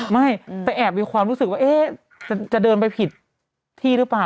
ไม่แต่แอบมีความรู้สึกว่าจะเดินไปผิดที่หรือเปล่า